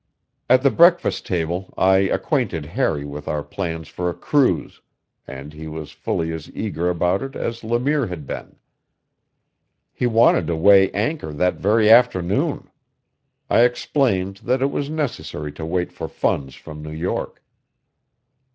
At the breakfast table I acquainted Harry with our plans for a cruise, and he was fully as eager about it as Le Mire had been. He wanted to weigh anchor that very afternoon. I explained that it was necessary to wait for funds from New York.